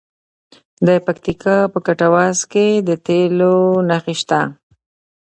د پکتیکا په کټواز کې د تیلو نښې شته.